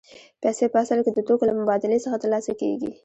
پیسې په اصل کې د توکو له مبادلې څخه ترلاسه کېږي